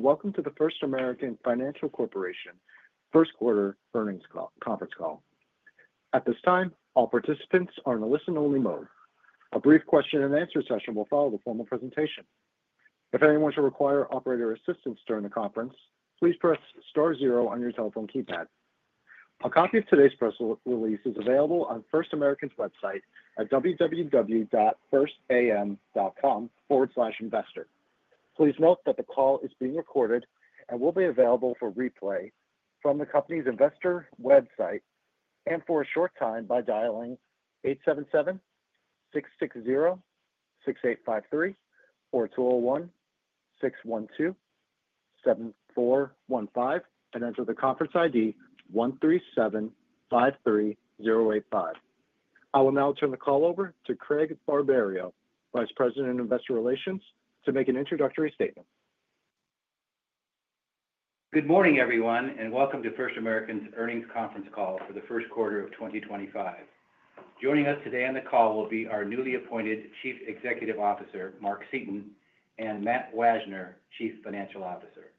Welcome to the First American Financial Corporation First Quarter Earnings Conference Call. At this time, all participants are in a listen-only mode. A brief question-and-answer session will follow the formal presentation. If anyone should require operator assistance during the conference, please press star zero on your telephone keypad. A copy of today's press release is available on First American's website at www.firstam.com/investor. Please note that the call is being recorded and will be available for replay from the company's investor website and for a short time by dialing 877-660-6853 or 201-612-7415 and enter the conference ID 13753085. I will now turn the call over to Craig Barberio, Vice President of Investor Relations, to make an introductory statement. Good morning, everyone, and welcome to First American's Earnings Conference Call for the First Quarter of 2025. Joining us today on the call will be our newly appointed Chief Executive Officer, Mark Seaton, and Matt Wajner, Chief Financial Officer.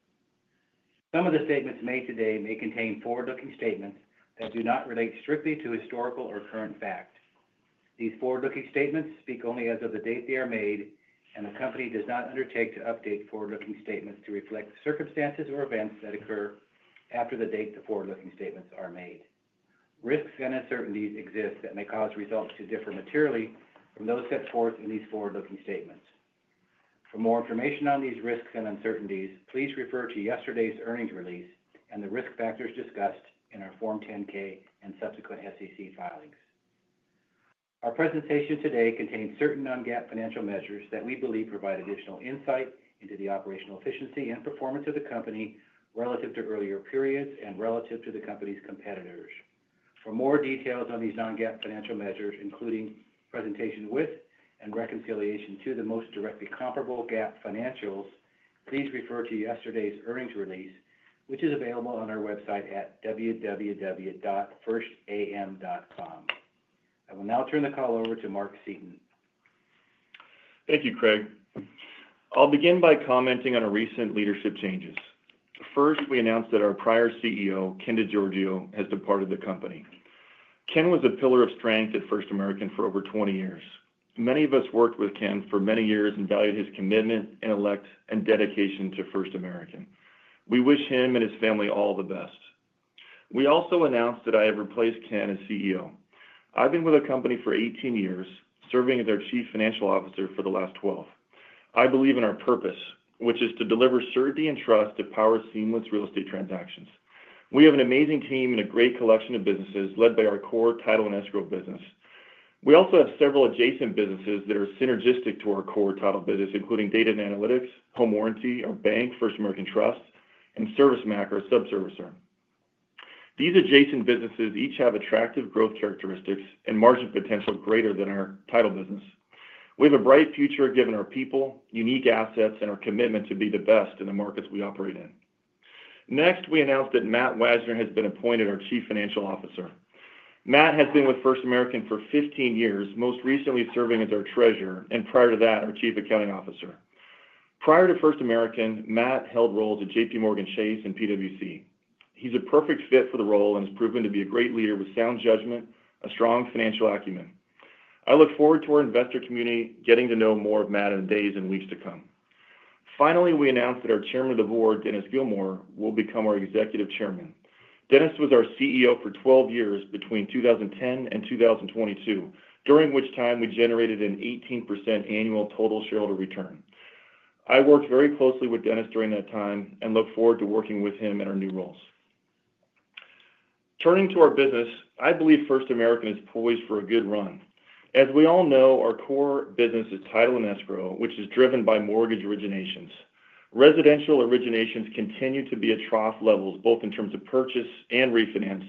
Some of the statements made today may contain forward-looking statements that do not relate strictly to historical or current facts. These forward-looking statements speak only as of the date they are made, and the company does not undertake to update forward-looking statements to reflect circumstances or events that occur after the date the forward-looking statements are made. Risks and uncertainties exist that may cause results to differ materially from those set forth in these forward-looking statements. For more information on these risks and uncertainties, please refer to yesterday's earnings release and the risk factors discussed in our Form 10-K and subsequent SEC filings. Our presentation today contains certain non-GAAP financial measures that we believe provide additional insight into the operational efficiency and performance of the company relative to earlier periods and relative to the company's competitors. For more details on these non-GAAP financial measures, including presentation with and reconciliation to the most directly comparable GAAP financials, please refer to yesterday's earnings release, which is available on our website at www.firstam.com. I will now turn the call over to Mark Seaton. Thank you, Craig. I'll begin by commenting on recent leadership changes. First, we announced that our prior CEO, Ken DeGiorgio, has departed the company. Ken was a pillar of strength at First American for over 20 years. Many of us worked with Ken for many years and valued his commitment, intellect, and dedication to First American. We wish him and his family all the best. We also announced that I have replaced Ken as CEO. I've been with the company for 18 years, serving as our Chief Financial Officer for the last 12. I believe in our purpose, which is to deliver certainty and trust that powers seamless real estate transactions. We have an amazing team and a great collection of businesses led by our core Title and escrow business. We also have several adjacent businesses that are synergistic to our core Title business, including Data & Analytics, Home Warranty, our bank, First American Trust, and ServiceMac, our subservicer. These adjacent businesses each have attractive growth characteristics and margin potential greater than our Title business. We have a bright future given our people, unique assets, and our commitment to be the best in the markets we operate in. Next, we announced that Matt Wajner has been appointed our Chief Financial Officer. Matt has been with First American for 15 years, most recently serving as our Treasurer and, prior to that, our Chief Accounting Officer. Prior to First American, Matt held roles at JPMorgan Chase and PwC. He's a perfect fit for the role and has proven to be a great leader with sound judgment, a strong financial acumen. I look forward to our investor community getting to know more of Matt in the days and weeks to come. Finally, we announced that our Chairman of the Board, Dennis Gilmore, will become our Executive Chairman. Dennis was our CEO for 12 years between 2010 and 2022, during which time we generated an 18% annual total shareholder return. I worked very closely with Dennis during that time and look forward to working with him in our new roles. Turning to our business, I believe First American is poised for a good run. As we all know, our core business is Title and escrow, which is driven by mortgage originations. Residential originations continue to be at trough levels, both in terms of purchase and refinance,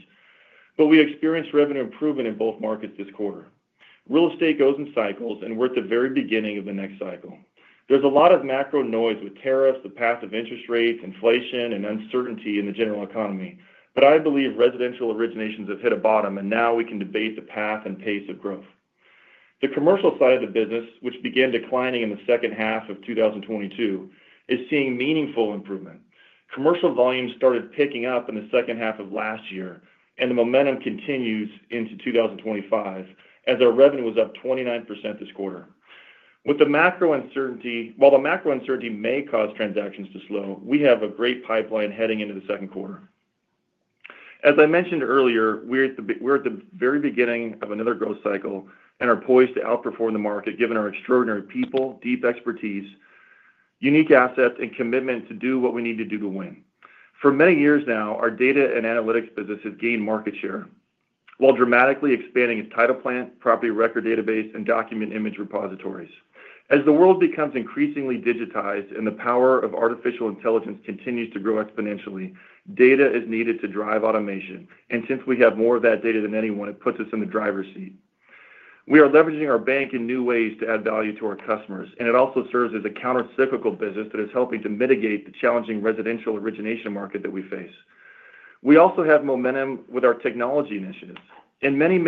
but we experienced revenue improvement in both markets this quarter. Real estate goes in cycles, and we're at the very beginning of the next cycle. There's a lot of macro noise with tariffs, the path of interest rates, inflation, and uncertainty in the general economy, but I believe residential originations have hit a bottom, and now we can debate the path and pace of growth. The commercial side of the business, which began declining in the second half of 2022, is seeing meaningful improvement. Commercial volumes started picking up in the second half of last year, and the momentum continues into 2025 as our revenue was up 29% this quarter. With the macro uncertainty, while the macro uncertainty may cause transactions to slow, we have a great pipeline heading into the second quarter. As I mentioned earlier, we're at the very beginning of another growth cycle and are poised to outperform the market given our extraordinary people, deep expertise, unique assets, and commitment to do what we need to do to win. For many years now, our Data & Analytics business has gained market share while dramatically expanding its title plant, property record database, and document image repositories. As the world becomes increasingly digitized and the power of artificial intelligence continues to grow exponentially, data is needed to drive automation, and since we have more of that data than anyone, it puts us in the driver's seat. We are leveraging our bank in new ways to add value to our customers, and it also serves as a countercyclical business that is helping to mitigate the challenging residential origination market that we face. We also have momentum with our technology initiatives. In many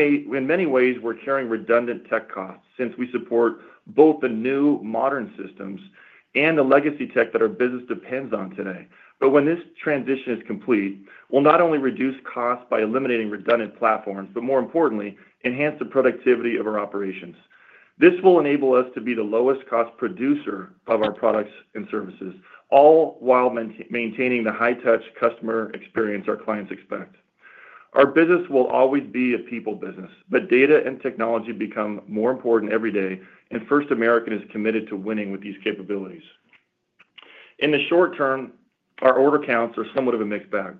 ways, we're carrying redundant tech costs since we support both the new modern systems and the legacy tech that our business depends on today. When this transition is complete, we'll not only reduce costs by eliminating redundant platforms, but more importantly, enhance the productivity of our operations. This will enable us to be the lowest-cost producer of our products and services, all while maintaining the high-touch customer experience our clients expect. Our business will always be a people business, but data and technology become more important every day, and First American is committed to winning with these capabilities. In the short term, our order counts are somewhat of a mixed bag.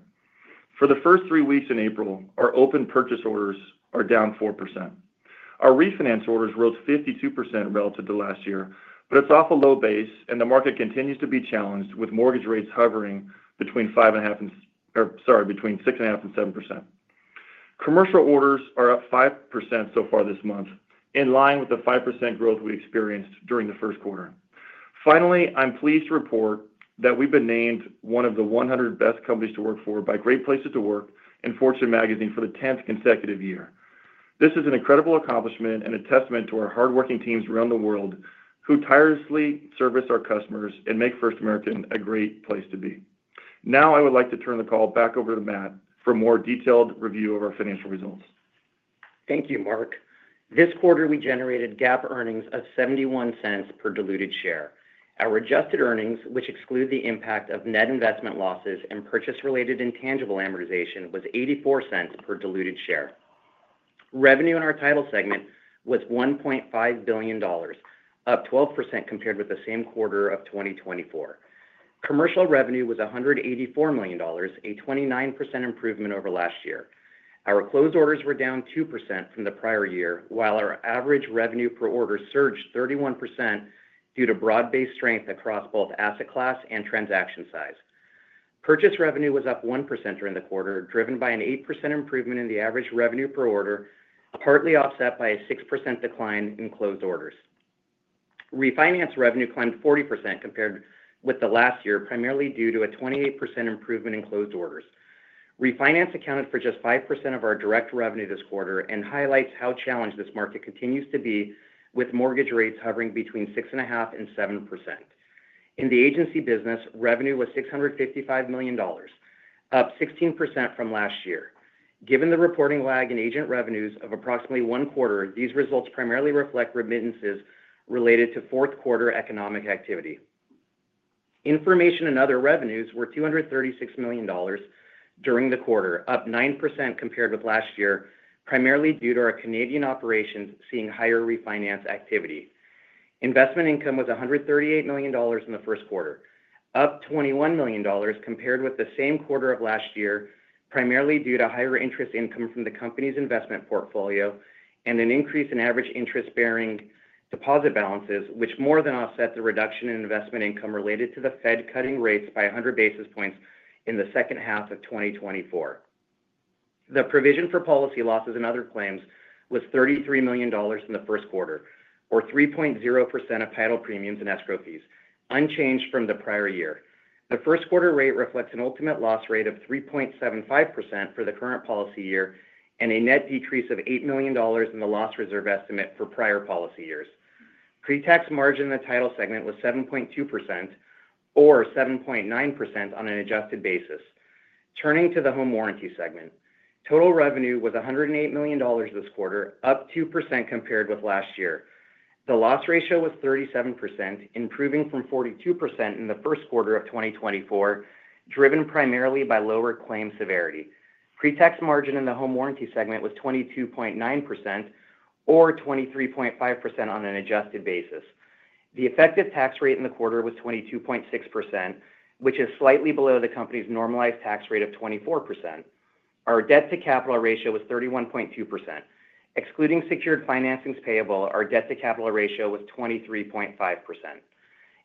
For the first three weeks in April, our open purchase orders are down 4%. Our refinance orders rose 52% relative to last year, but it's off a low base, and the market continues to be challenged with mortgage rates hovering between 6.5% and 7%. Commercial orders are up 5% so far this month, in line with the 5% growth we experienced during the first quarter. Finally, I'm pleased to report that we've been named one of the 100 Best Companies to Work For by Great Place to Work and Fortune Magazine for the 10th consecutive year. This is an incredible accomplishment and a testament to our hardworking teams around the world who tirelessly service our customers and make First American a great place to be. Now I would like to turn the call back over to Matt for a more detailed review of our financial results. Thank you, Mark. This quarter, we generated GAAP earnings of $0.71 per diluted share. Our adjusted earnings, which exclude the impact of net investment losses and purchase-related intangible amortization, was $0.84 per diluted share. Revenue in our Title segment was $1.5 billion, up 12% compared with the same quarter of 2024. Commercial revenue was $184 million, a 29% improvement over last year. Our closed orders were down 2% from the prior year, while our average revenue per order surged 31% due to broad-based strength across both asset class and transaction size. Purchase revenue was up 1% during the quarter, driven by an 8% improvement in the average revenue per order, partly offset by a 6% decline in closed orders. Refinance revenue climbed 40% compared with the last year, primarily due to a 28% improvement in closed orders. Refinance accounted for just 5% of our direct revenue this quarter and highlights how challenged this market continues to be, with mortgage rates hovering between 6.5% and 7%. In the agency business, revenue was $655 million, up 16% from last year. Given the reporting lag in agent revenues of approximately one quarter, these results primarily reflect remittances related to fourth quarter economic activity. Information and other revenues were $236 million during the quarter, up 9% compared with last year, primarily due to our Canadian operations seeing higher refinance activity. Investment income was $138 million in the first quarter, up $21 million compared with the same quarter of last year, primarily due to higher interest income from the company's investment portfolio and an increase in average interest-bearing deposit balances, which more than offset the reduction in investment income related to the Fed cutting rates by 100 basis points in the second half of 2024. The provision for policy losses and other claims was $33 million in the first quarter, or 3.0% of title premiums and escrow fees, unchanged from the prior year. The first quarter rate reflects an ultimate loss rate of 3.75% for the current policy year and a net decrease of $8 million in the loss reserve estimate for prior policy years. Pretax margin in the Title segment was 7.2%, or 7.9% on an adjusted basis. Turning to the Home Warranty segment, total revenue was $108 million this quarter, up 2% compared with last year. The loss ratio was 37%, improving from 42% in the first quarter of 2024, driven primarily by lower claim severity. Pretax margin in the Home Warranty segment was 22.9%, or 23.5% on an adjusted basis. The effective tax rate in the quarter was 22.6%, which is slightly below the company's normalized tax rate of 24%. Our debt-to-capital ratio was 31.2%. Excluding secured financing payable, our debt-to-capital ratio was 23.5%.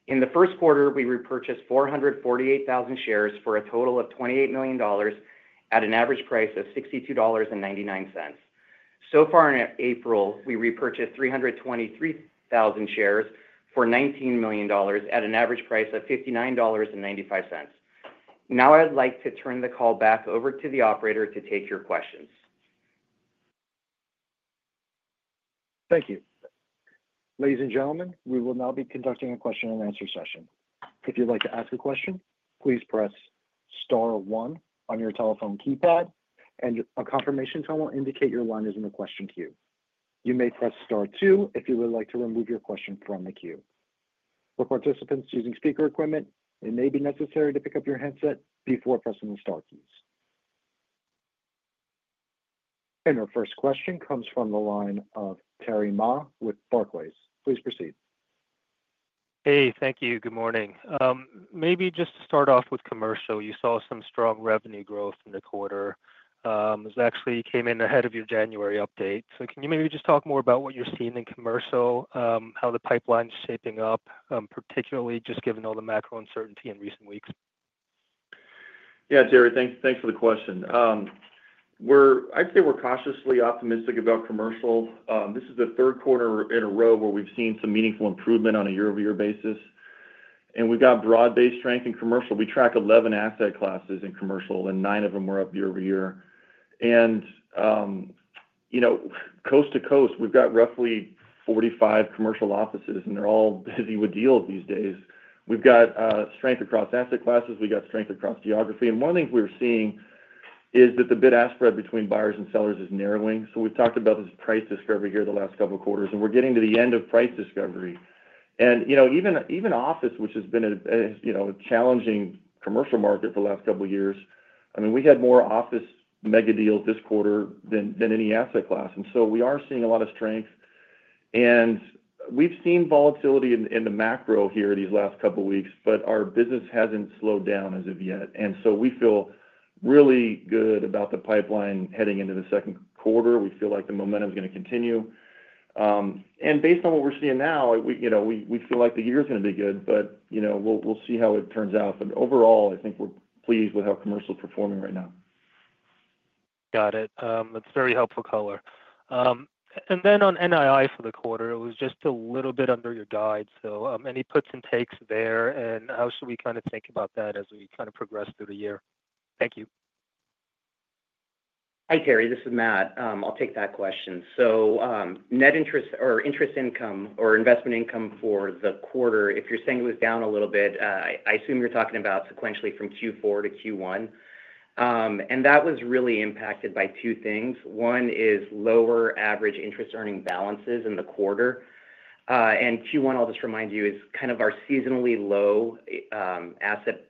In the first quarter, we repurchased 448,000 shares for a total of $28 million at an average price of $62.99. In April, we repurchased 323,000 shares for $19 million at an average price of $59.95. Now I'd like to turn the call back over to the operator to take your questions. Thank you. Ladies and gentlemen, we will now be conducting a question-and-answer session. If you'd like to ask a question, please press star one on your telephone keypad, and a confirmation tone will indicate your line is in the question queue. You may press star two if you would like to remove your question from the queue. For participants using speaker equipment, it may be necessary to pick up your headset before pressing the star keys. Our first question comes from the line of Terry Ma with Barclays. Please proceed. Hey, thank you. Good morning. Maybe just to start off with commercial, you saw some strong revenue growth in the quarter. It actually came in ahead of your January update. Can you maybe just talk more about what you're seeing in commercial, how the pipeline is shaping up, particularly just given all the macro uncertainty in recent weeks? Yeah, Terry, thanks for the question. I'd say we're cautiously optimistic about commercial. This is the third quarter in a row where we've seen some meaningful improvement on a year-over-year basis. We've got broad-based strength in commercial. We track 11 asset classes in commercial, and nine of them were up year-over-year. Coast to coast, we've got roughly 45 commercial offices, and they're all busy with deals these days. We've got strength across asset classes. We've got strength across geography. One thing we're seeing is that the bid-ask spread between buyers and sellers is narrowing. We've talked about this price discovery here the last couple of quarters, and we're getting to the end of price discovery. I mean, even office, which has been a challenging commercial market for the last couple of years, we had more office mega deals this quarter than any asset class. We are seeing a lot of strength. We have seen volatility in the macro here these last couple of weeks, but our business has not slowed down as of yet. We feel really good about the pipeline heading into the second quarter. We feel like the momentum is going to continue. Based on what we are seeing now, we feel like the year is going to be good, but we will see how it turns out. Overall, I think we are pleased with how commercial is performing right now. Got it. That is very helpful color. Then on NII for the quarter, it was just a little bit under your guide. Any puts and takes there, and how should we kind of think about that as we kind of progress through the year? Thank you. Hi, Terry. This is Matt. I'll take that question. Net interest or interest income or investment income for the quarter, if you're saying it was down a little bit, I assume you're talking about sequentially from Q4 to Q1. That was really impacted by two things. One is lower average interest earning balances in the quarter. Q1, I'll just remind you, is kind of our seasonally low asset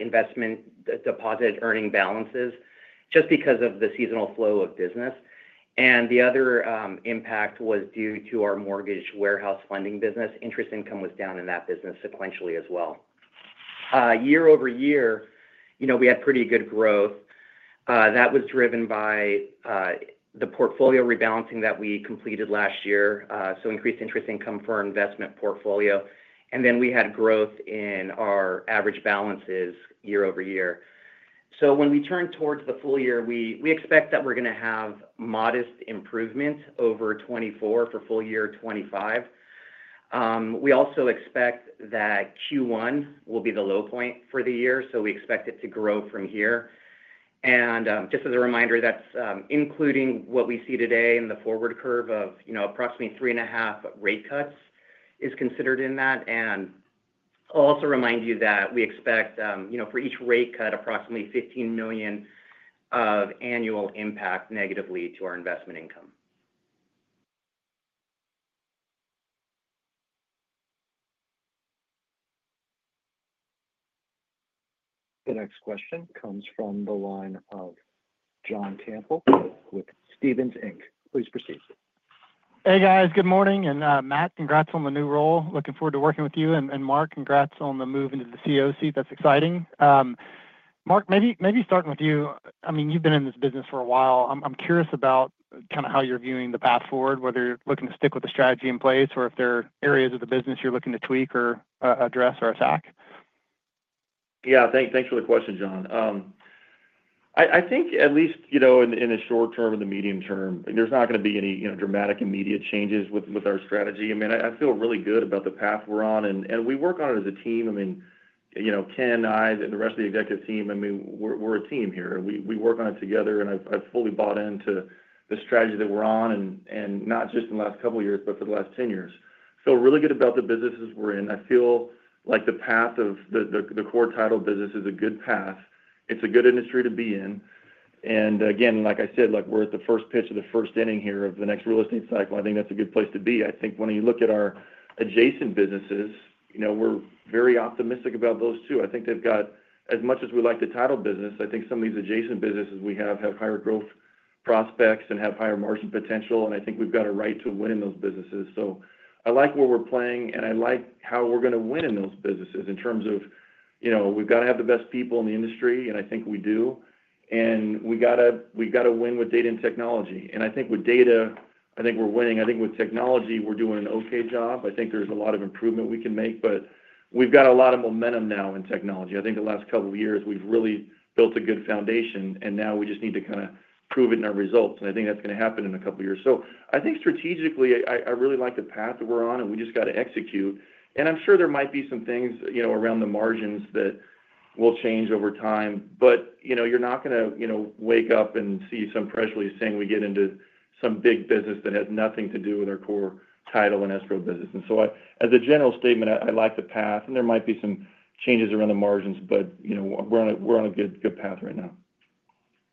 investment deposit earning balances just because of the seasonal flow of business. The other impact was due to our mortgage warehouse funding business. Interest income was down in that business sequentially as well. Year-over-year, we had pretty good growth. That was driven by the portfolio rebalancing that we completed last year, so increased interest income for our investment portfolio. We had growth in our average balances year-over-year. When we turn towards the full year, we expect that we're going to have modest improvement over 2024 for full year 2025. We also expect that Q1 will be the low point for the year, so we expect it to grow from here. Just as a reminder, that's including what we see today in the forward curve of approximately 3.5 rate cuts is considered in that. I'll also remind you that we expect for each rate cut, approximately $15 million of annual impact negatively to our investment income. The next question comes from the line of John Campbell with Stephens Inc. Please proceed. Hey, guys. Good morning. Matt, congrats on the new role. Looking forward to working with you. Mark, congrats on the move into the CEO seat. That's exciting. Mark, maybe starting with you. I mean, you've been in this business for a while. I'm curious about kind of how you're viewing the path forward, whether you're looking to stick with the strategy in place or if there are areas of the business you're looking to tweak or address or attack. Yeah, thanks for the question, John. I think at least in the short term and the medium term, there's not going to be any dramatic immediate changes with our strategy. I mean, I feel really good about the path we're on. We work on it as a team. I mean, Ken and I and the rest of the executive team, we're a team here. We work on it together, and I've fully bought into the strategy that we're on, and not just in the last couple of years, but for the last 10 years. I feel really good about the businesses we're in. I feel like the path of the core title business is a good path. It's a good industry to be in. Again, like I said, we're at the first pitch of the first inning here of the next real estate cycle. I think that's a good place to be. I think when you look at our adjacent businesses, we're very optimistic about those too. I think they've got, as much as we like the Title business, I think some of these adjacent businesses we have have higher growth prospects and have higher margin potential. I think we've got a right to win in those businesses. I like where we're playing, and I like how we're going to win in those businesses in terms of we've got to have the best people in the industry, and I think we do. We've got to win with data and technology. I think with data, I think we're winning. I think with technology, we're doing an okay job. I think there's a lot of improvement we can make, but we've got a lot of momentum now in technology. I think the last couple of years, we've really built a good foundation, and now we just need to kind of prove it in our results. I think that's going to happen in a couple of years. I think strategically, I really like the path that we're on, and we just got to execute. I'm sure there might be some things around the margins that will change over time, but you're not going to wake up and see some press release saying we get into some big business that has nothing to do with our core title and escrow business. As a general statement, I like the path, and there might be some changes around the margins, but we're on a good path right now.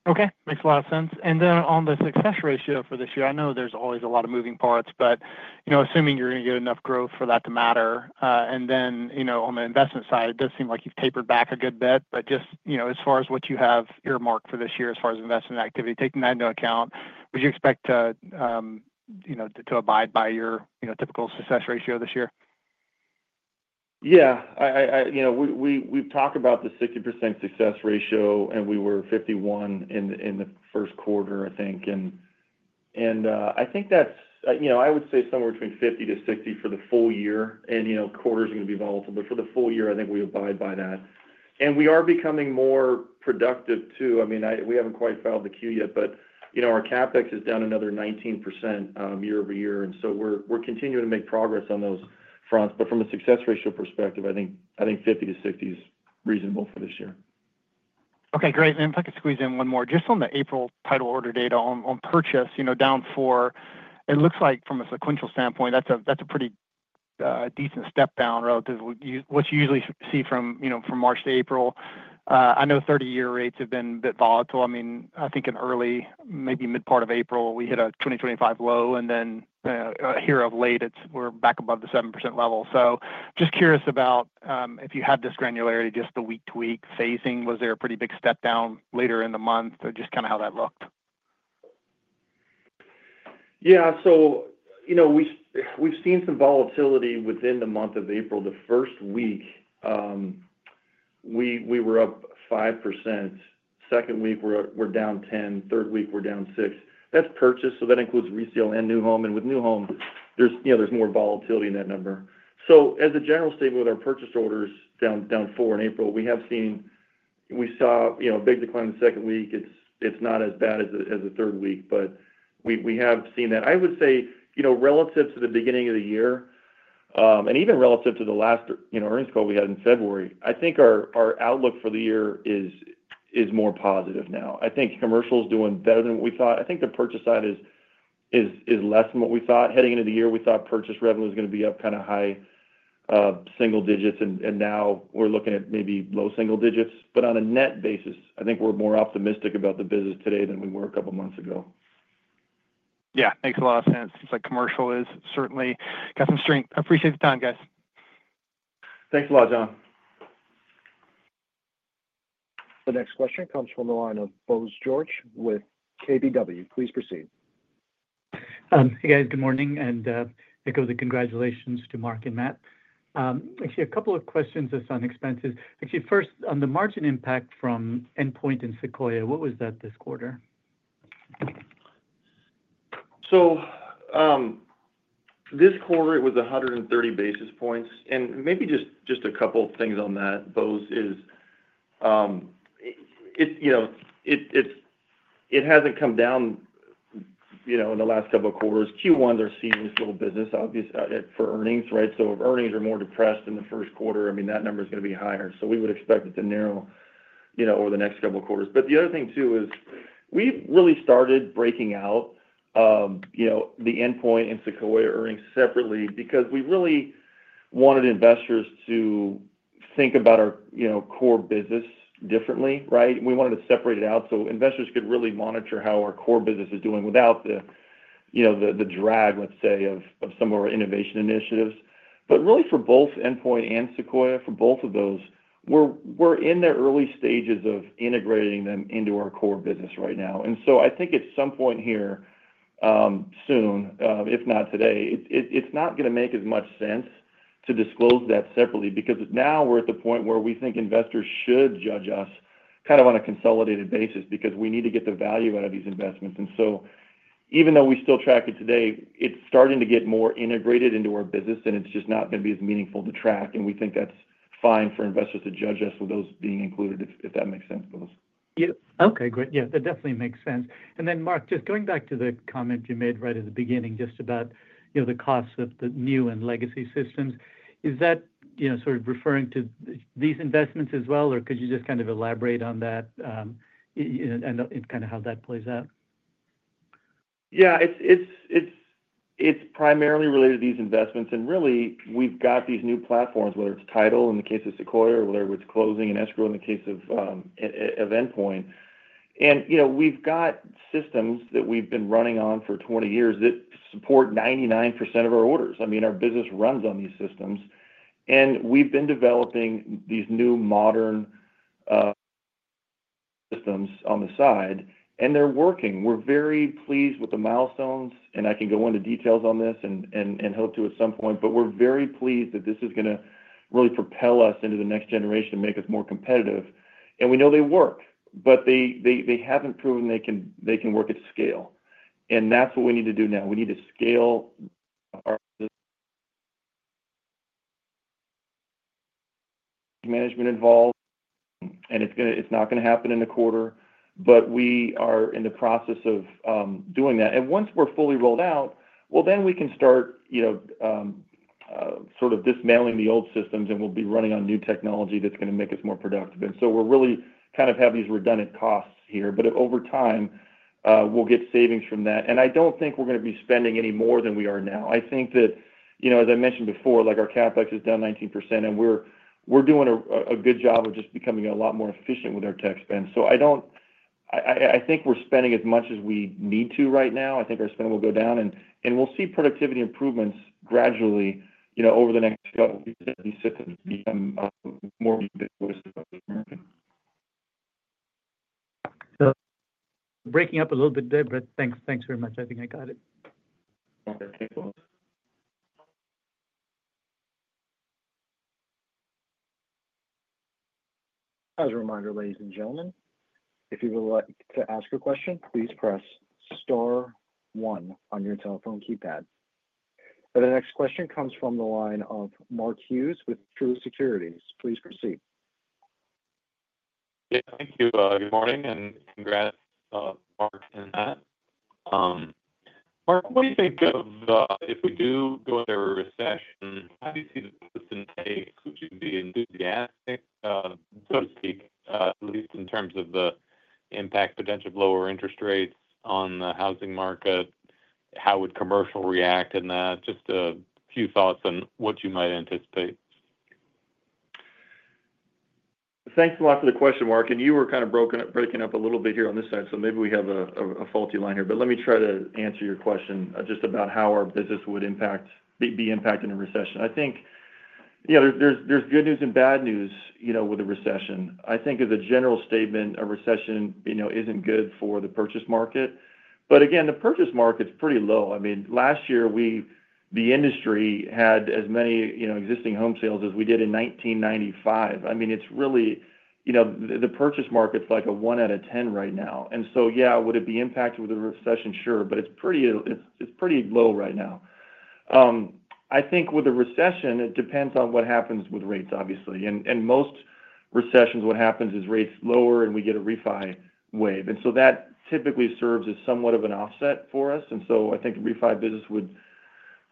Okay. Makes a lot of sense. On the success ratio for this year, I know there's always a lot of moving parts, but assuming you're going to get enough growth for that to matter. On the investment side, it does seem like you've tapered back a good bit, but just as far as what you have earmarked for this year as far as investment activity, taking that into account, would you expect to abide by your typical success ratio this year? Yeah. We've talked about the 60% success ratio, and we were 51 in the first quarter, I think. I think that's, I would say, somewhere between 50-60 for the full year. Quarter is going to be volatile, but for the full year, I think we abide by that. We are becoming more productive too. I mean, we haven't quite filed the Q yet, but our CapEx is down another 19% year-over-year. We are continuing to make progress on those fronts. From a success ratio perspective, I think 50-60 is reasonable for this year. Okay. Great. If I could squeeze in one more, just on the April title order data on purchase, down four, it looks like from a sequential standpoint, that's a pretty decent step down relative to what you usually see from March to April. I know 30-year rates have been a bit volatile. I mean, I think in early, maybe mid-part of April, we hit a 2025 low, and then here of late, we're back above the 7% level. Just curious about if you had this granularity, just the week-to-week phasing, was there a pretty big step down later in the month or just kind of how that looked? Yeah. We've seen some volatility within the month of April. The first week, we were up 5%. Second week, we were down 10%. Third week, we were down 6%. That's purchase, so that includes resale and new home. With new home, there's more volatility in that number. As a general statement, with our purchase orders down 4% in April, we saw a big decline in the second week. It's not as bad as the third week, but we have seen that. I would say relative to the beginning of the year and even relative to the last earnings call we had in February, I think our outlook for the year is more positive now. I think commercial is doing better than what we thought. I think the purchase side is less than what we thought. Heading into the year, we thought purchase revenue was going to be up kind of high single digits, and now we're looking at maybe low single digits. On a net basis, I think we're more optimistic about the business today than we were a couple of months ago. Yeah. Makes a lot of sense. Seems like commercial is certainly got some strength. I appreciate the time, guys. Thanks a lot, John. The next question comes from the line of Bose George with KBW. Please proceed. Hey, guys. Good morning. I echo the congratulations to Mark and Matt. Actually, a couple of questions just on expenses. Actually, first, on the margin impact from Endpoint and Sequoia, what was that this quarter? This quarter, it was 130 basis points. Maybe just a couple of things on that, Bose, is it has not come down in the last couple of quarters. Q1s they're seeing this little business for earnings, right? If earnings are more depressed in the first quarter, I mean, that number is going to be higher. We would expect it to narrow over the next couple of quarters. The other thing too is we really started breaking out the Endpoint and Sequoia earnings separately because we really wanted investors to think about our core business differently, right? We wanted to separate it out so investors could really monitor how our core business is doing without the drag, let's say, of some of our innovation initiatives. Really, for both Endpoint and Sequoia, for both of those, we're in the early stages of integrating them into our core business right now. I think at some point here soon, if not today, it's not going to make as much sense to disclose that separately because now we're at the point where we think investors should judge us kind of on a consolidated basis because we need to get the value out of these investments. Even though we still track it today, it's starting to get more integrated into our business, and it's just not going to be as meaningful to track. We think that's fine for investors to judge us with those being included, if that makes sense to us. Yeah. Okay. Great. Yeah. That definitely makes sense. Mark, just going back to the comment you made right at the beginning just about the costs of the new and legacy systems, is that sort of referring to these investments as well, or could you just kind of elaborate on that and kind of how that plays out? Yeah. It's primarily related to these investments. Really, we've got these new platforms, whether it's title in the case of Sequoia or whether it's closing and escrow in the case of Endpoint. We've got systems that we've been running on for 20 years that support 99% of our orders. I mean, our business runs on these systems. We've been developing these new modern systems on the side, and they're working. We're very pleased with the milestones, and I can go into details on this and hope to at some point. We're very pleased that this is going to really propel us into the next generation and make us more competitive. We know they work, but they haven't proven they can work at scale. That's what we need to do now. We need to scale our management involved, and it is not going to happen in a quarter, but we are in the process of doing that. Once we are fully rolled out, we can start sort of dismantling the old systems, and we will be running on new technology that is going to make us more productive. We really kind of have these redundant costs here, but over time, we will get savings from that. I do not think we are going to be spending any more than we are now. I think that, as I mentioned before, our CapEx is down 19%, and we are doing a good job of just becoming a lot more efficient with our tech spend. I think we are spending as much as we need to right now. I think our spend will go down, and we'll see productivity improvements gradually over the next couple of weeks as these systems become more ubiquitous. Breaking up a little bit there, but thanks very much. I think I got it. All right. Thanks, Bose. As a reminder, ladies and gentlemen, if you would like to ask a question, please press star one on your telephone keypad. The next question comes from the line of Mark Hughes with Truist Securities. Please proceed. Yeah. Thank you. Good morning, and congrats, Mark and Matt. Mark, what do you think of if we do go into a recession? How do you see the system takes? Would you be enthusiastic, so to speak, at least in terms of the impact potential of lower interest rates on the housing market? How would commercial react in that? Just a few thoughts on what you might anticipate. Thanks a lot for the question, Mark. You were kind of breaking up a little bit here on this side, so maybe we have a faulty line here. Let me try to answer your question just about how our business would be impacted in a recession. I think there's good news and bad news with a recession. I think as a general statement, a recession isn't good for the purchase market. Again, the purchase market's pretty low. I mean, last year, the industry had as many existing home sales as we did in 1995. It's really the purchase market's like a one out of 10 right now. Yeah, would it be impacted with a recession? Sure, but it's pretty low right now. I think with a recession, it depends on what happens with rates, obviously. In most recessions, what happens is rates lower, and we get a refi wave. That typically serves as somewhat of an offset for us. I think the refi business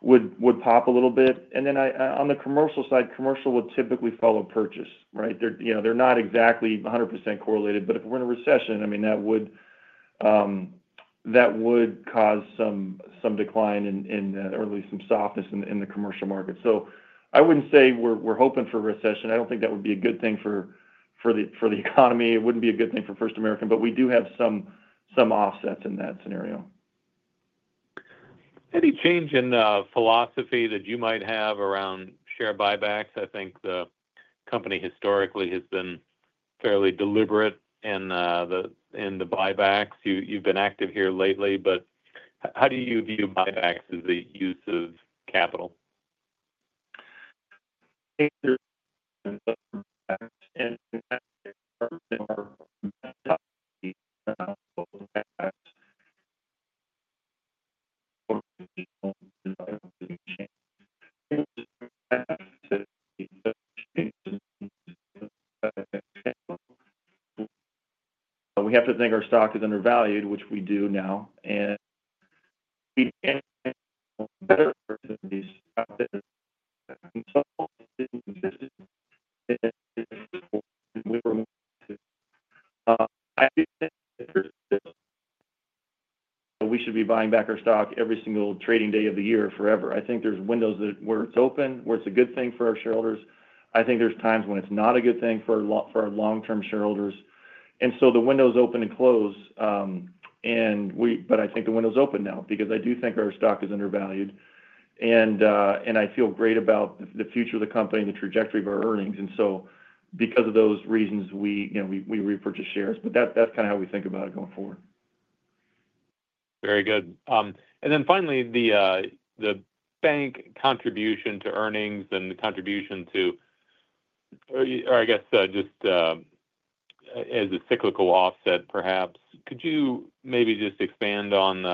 would pop a little bit. On the commercial side, commercial would typically follow purchase, right? They're not exactly 100% correlated. If we're in a recession, I mean, that would cause some decline or at least some softness in the commercial market. I would not say we're hoping for a recession. I do not think that would be a good thing for the economy. It would not be a good thing for First American, but we do have some offsets in that scenario. Any change in philosophy that you might have around share buybacks? I think the company historically has been fairly deliberate in the buybacks. You've been active here lately, but how do you view buybacks as the use of capital? We have to think our stock is undervalued, which we do now. We should be buying back our stock every single trading day of the year forever. I think there are windows where it is open, where it is a good thing for our shareholders. I think there are times when it is not a good thing for our long-term shareholders. The windows open and close, but I think the window is open now because I do think our stock is undervalued. I feel great about the future of the company and the trajectory of our earnings. Because of those reasons, we repurchase shares. That is kind of how we think about it going forward. Very good. Finally, the bank contribution to earnings and the contribution to, or I guess just as a cyclical offset, perhaps. Could you maybe just expand on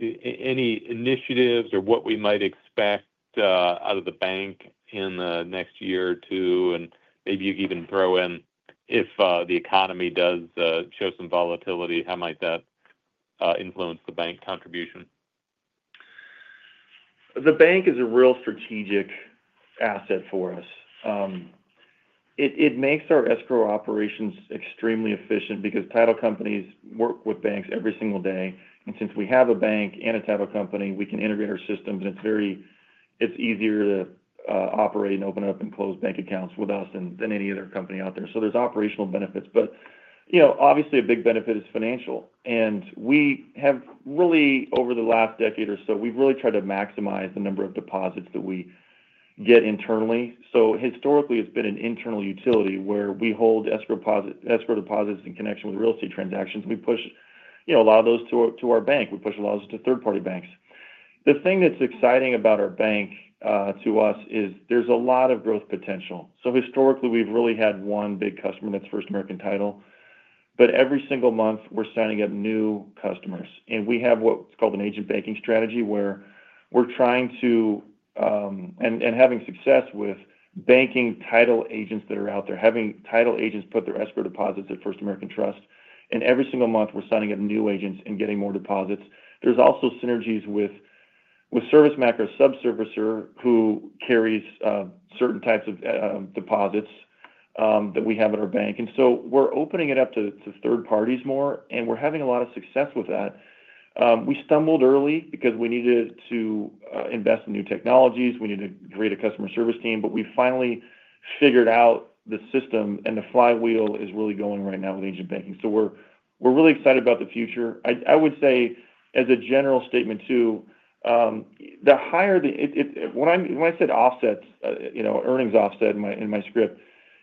any initiatives or what we might expect out of the bank in the next year or two? Maybe you can even throw in if the economy does show some volatility, how might that influence the bank contribution? The bank is a real strategic asset for us. It makes our escrow operations extremely efficient because title companies work with banks every single day. Since we have a bank and a title company, we can integrate our systems, and it's easier to operate and open up and close bank accounts with us than any other company out there. There are operational benefits. Obviously, a big benefit is financial. Really, over the last decade or so, we've really tried to maximize the number of deposits that we get internally. Historically, it's been an internal utility where we hold escrow deposits in connection with real estate transactions. We push a lot of those to our bank. We push a lot of those to third-party banks. The thing that's exciting about our bank to us is there's a lot of growth potential. Historically, we've really had one big customer, and that's First American Title. Every single month, we're signing up new customers. We have what's called an agent banking strategy where we're trying to and having success with banking title agents that are out there, having title agents put their escrow deposits at First American Trust. Every single month, we're signing up new agents and getting more deposits. There's also synergies with ServiceMac, our subservicer who carries certain types of deposits that we have at our bank. We're opening it up to third parties more, and we're having a lot of success with that. We stumbled early because we needed to invest in new technologies. We needed to create a customer service team, but we finally figured out the system, and the flywheel is really going right now with agent banking. We're really excited about the future. I would say, as a general statement too, when I said offsets, earnings offset in my script,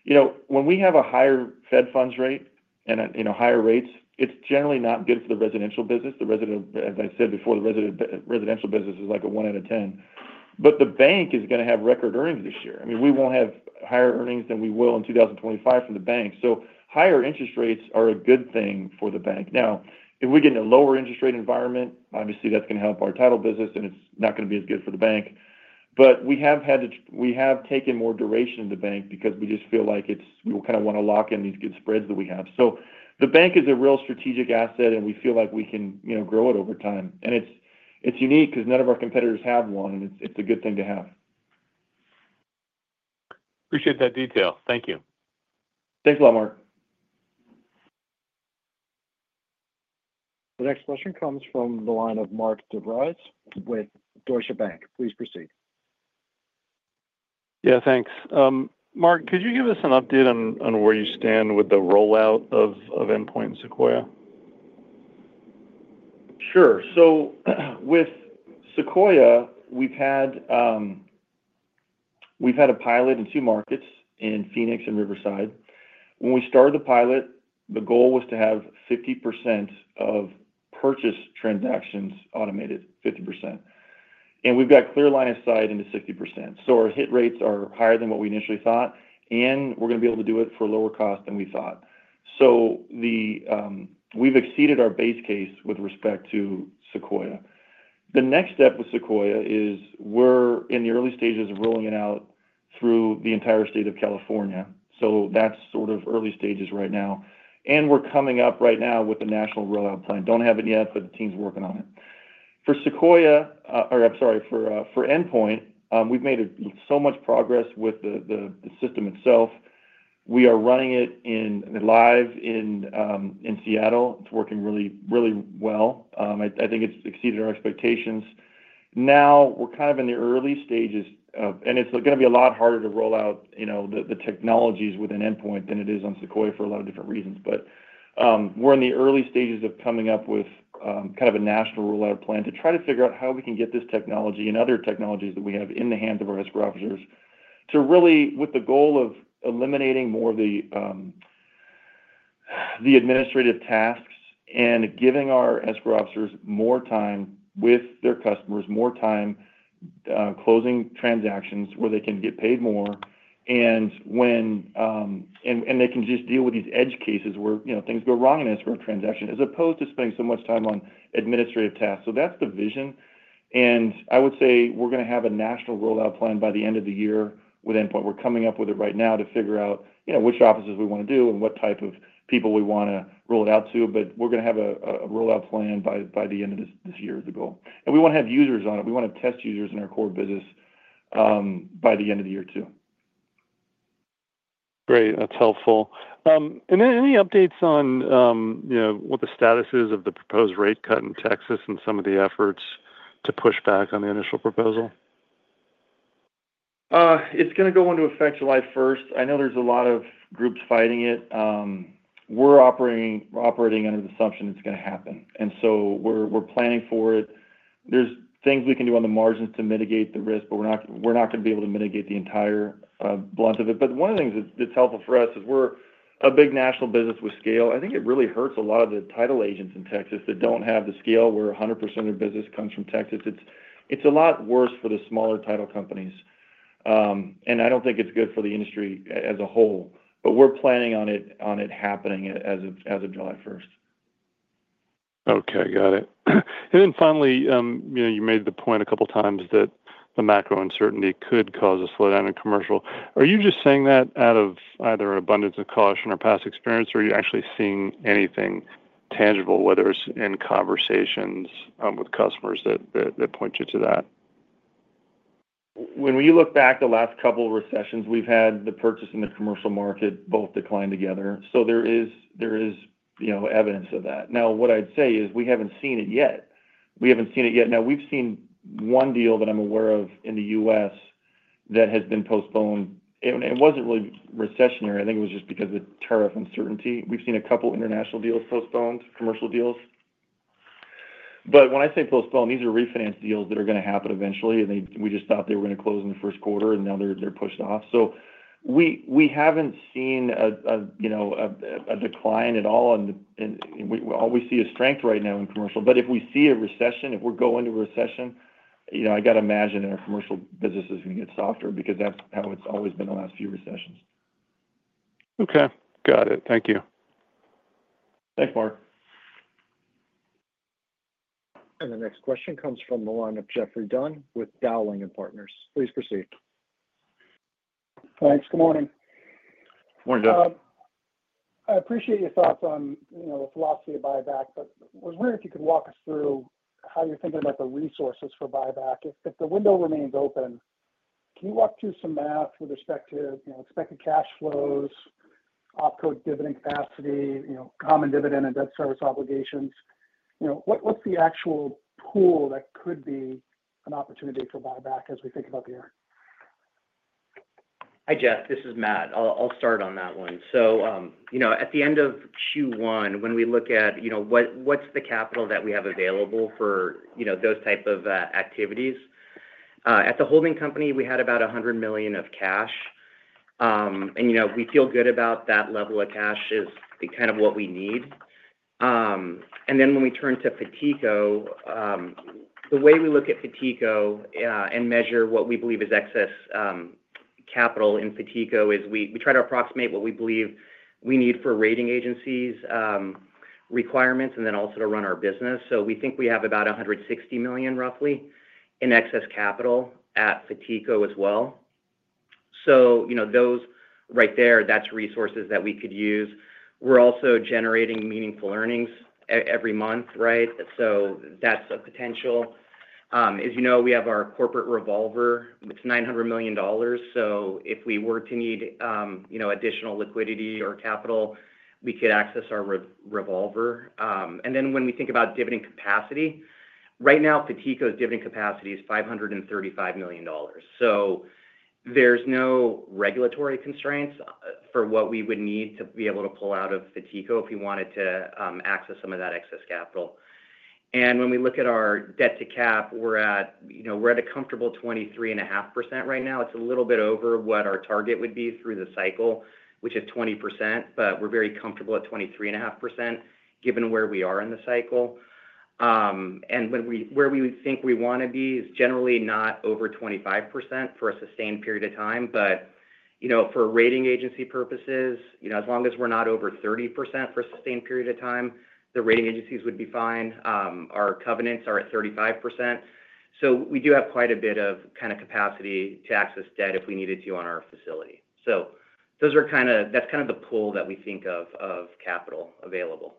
when we have a higher Fed funds rate and higher rates, it's generally not good for the residential business. As I said before, the residential business is like a one out of 10. I mean, the bank is going to have record earnings this year. We won't have higher earnings than we will in 2025 from the bank. Higher interest rates are a good thing for the bank. Now, if we get in a lower interest rate environment, obviously, that's going to help our Title business, and it's not going to be as good for the bank. We have taken more duration in the bank because we just feel like we kind of want to lock in these good spreads that we have. The bank is a real strategic asset, and we feel like we can grow it over time. It is unique because none of our competitors have one, and it is a good thing to have. Appreciate that detail. Thank you. Thanks a lot, Mark. The next question comes from the line of Mark DeVries with Deutsche Bank. Please proceed. Yeah. Thanks. Mark, could you give us an update on where you stand with the rollout of Endpoint and Sequoia? Sure. With Sequoia, we've had a pilot in two markets in Phoenix and Riverside. When we started the pilot, the goal was to have 50% of purchase transactions automated, 50%. We've got clear line of sight into 60%. Our hit rates are higher than what we initially thought, and we're going to be able to do it for a lower cost than we thought. We've exceeded our base case with respect to Sequoia. The next step with Sequoia is we're in the early stages of rolling it out through the entire state of California. That's sort of early stages right now. We're coming up right now with a national rollout plan. Don't have it yet, but the team's working on it. For Sequoia, or I'm sorry, for Endpoint, we've made so much progress with the system itself. We are running it live in Seattle. It's working really well. I think it's exceeded our expectations. Now, we're kind of in the early stages, and it's going to be a lot harder to roll out the technologies within Endpoint than it is on Sequoia for a lot of different reasons. We're in the early stages of coming up with kind of a national rollout plan to try to figure out how we can get this technology and other technologies that we have in the hands of our escrow officers, really with the goal of eliminating more of the administrative tasks and giving our escrow officers more time with their customers, more time closing transactions where they can get paid more, and they can just deal with these edge cases where things go wrong in an escrow transaction as opposed to spending so much time on administrative tasks. That is the vision. We are going to have a national rollout plan by the end of the year with Endpoint. We are coming up with it right now to figure out which offices we want to do and what type of people we want to roll it out to. We are going to have a rollout plan by the end of this year is the goal. We want to have users on it. We want to have test users in our core business by the end of the year too. Great. That's helpful. Any updates on what the status is of the proposed rate cut in Texas and some of the efforts to push back on the initial proposal? It's going to go into effect July 1st. I know there's a lot of groups fighting it. We're operating under the assumption it's going to happen. We're planning for it. There's things we can do on the margins to mitigate the risk, but we're not going to be able to mitigate the entire brunt of it. One of the things that's helpful for us is we're a big national business with scale. I think it really hurts a lot of the title agents in Texas that don't have the scale where 100% of their business comes from Texas. It's a lot worse for the smaller title companies. I don't think it's good for the industry as a whole. We're planning on it happening as of July 1st. Okay. Got it. Finally, you made the point a couple of times that the macro uncertainty could cause a slowdown in commercial. Are you just saying that out of either an abundance of caution or past experience, or are you actually seeing anything tangible, whether it's in conversations with customers that point you to that? When we look back, the last couple of recessions, we've had the purchase in the commercial market both decline together. There is evidence of that. What I'd say is we haven't seen it yet. We haven't seen it yet. We've seen one deal that I'm aware of in the U.S. that has been postponed. It wasn't really recessionary. I think it was just because of tariff uncertainty. We've seen a couple of international deals postponed, commercial deals. When I say postponed, these are refinanced deals that are going to happen eventually. We just thought they were going to close in the first quarter, and now they're pushed off. We haven't seen a decline at all. All we see is strength right now in commercial. If we see a recession, if we're going into a recession, I got to imagine that our commercial business is going to get softer because that's how it's always been the last few recessions. Okay. Got it. Thank you. Thanks, Mark. The next question comes from the line of Geoffrey Dunn with Dowling & Partners. Please proceed. Thanks. Good morning. Morning, Jeff. I appreciate your thoughts on the philosophy of buyback, but I was wondering if you could walk us through how you're thinking about the resources for buyback. If the window remains open, can you walk through some math with respect to expected cash flows, OpCo dividend capacity, common dividend, and debt service obligations? What's the actual pool that could be an opportunity for buyback as we think about the year? Hi, Jeff. This is Matt. I'll start on that one. At the end of Q1, when we look at what's the capital that we have available for those types of activities, at the holding company, we had about $100 million of cash. We feel good about that level of cash is kind of what we need. When we turn to FATICO, the way we look at FATICO and measure what we believe is excess capital in FATICO is we try to approximate what we believe we need for rating agencies requirements and then also to run our business. We think we have about $160 million, roughly, in excess capital at FATICO as well. Those right there, that's resources that we could use. We're also generating meaningful earnings every month, right? That's a potential. As you know, we have our corporate revolver. It's $900 million. If we were to need additional liquidity or capital, we could access our revolver. When we think about dividend capacity, right now, FATICO's dividend capacity is $535 million. There are no regulatory constraints for what we would need to be able to pull out of FATICO if we wanted to access some of that excess capital. When we look at our debt to cap, we're at a comfortable 23.5% right now. It's a little bit over what our target would be through the cycle, which is 20%. We're very comfortable at 23.5% given where we are in the cycle. Where we think we want to be is generally not over 25% for a sustained period of time. For rating agency purposes, as long as we're not over 30% for a sustained period of time, the rating agencies would be fine. Our covenants are at 35%. We do have quite a bit of kind of capacity to access debt if we needed to on our facility. That is kind of the pool that we think of of capital available.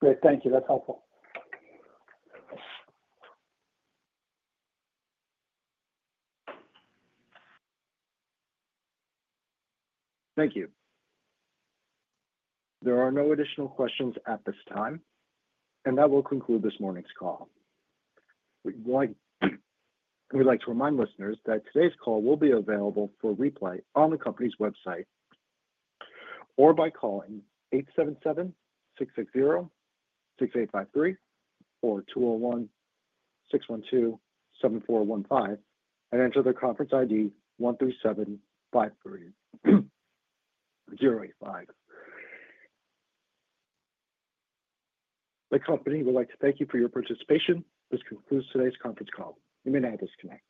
Great. Thank you. That's helpful. Thank you. There are no additional questions at this time, and that will conclude this morning's call. We'd like to remind listeners that today's call will be available for replay on the company's website or by calling 877-660-6853 or 201-612-7415 and enter the conference ID 13753085. The company would like to thank you for your participation. This concludes today's conference call. You may now disconnect.